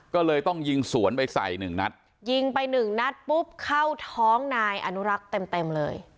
ก็เลยต้องยิงสวนไปใส่หนึ่งนัดยิงไปหนึ่งนัดปุ๊บเข้าท้องนายอนุรักษ์เต็มเต็มเลย